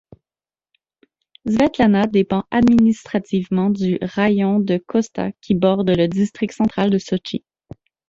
Svetlana dépend administrativement du raïon de Khosta qui borde le district central de Sotchi.